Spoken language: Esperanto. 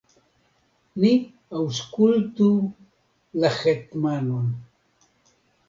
ni aŭskultu la hetmanon!